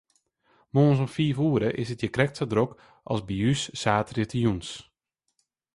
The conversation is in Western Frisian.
Moarns om fiif oere is it hjir krekt sa drok as by ús saterdeitejûns.